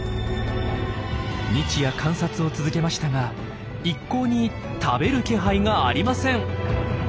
日夜観察を続けましたが一向に食べる気配がありません。